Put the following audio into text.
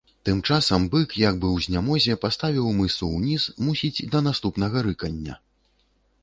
Тым часам бык як бы ў знямозе паставіў мысу ўніз, мусіць да наступнага рыкання.